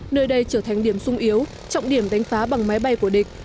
nơi đây trở thành điểm sung yếu trọng điểm đánh phá bằng máy bay của địch